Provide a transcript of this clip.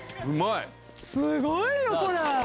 すごいよこれ。